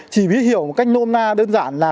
chỉ mới hiểu một cách nôn na đơn giản là